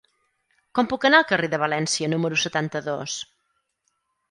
Com puc anar al carrer de València número setanta-dos?